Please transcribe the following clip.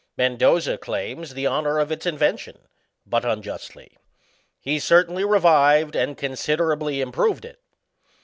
Menooza claims the honour of its invention, but unjustly ; he certainly revived and considerably im proved it.